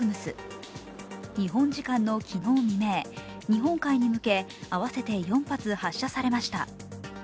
日本時間の昨日未明、日本海に向け合わせて４発、発射されました。